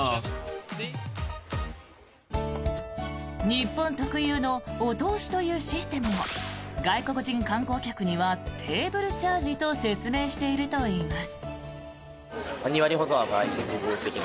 日本特有のお通しというシステムを外国人観光客にはテーブルチャージと説明しているといいます。